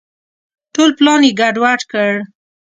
ټول پلان یې ګډ وډ کړ.